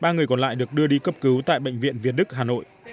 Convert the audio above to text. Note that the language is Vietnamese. ba người còn lại được đưa đi cấp cứu tại bệnh viện việt đức hà nội